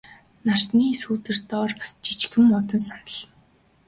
Нарсны сүүдэр дор жижигхэн модон сандал.